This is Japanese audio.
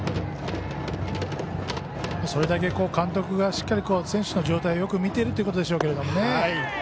それだけ監督が選手の状態をよく見ているということでしょうけれどもね。